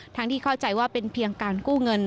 ที่เข้าใจว่าเป็นเพียงการกู้เงิน